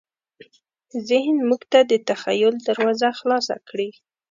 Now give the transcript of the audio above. ذهن موږ ته د تخیل دروازه خلاصه کړې.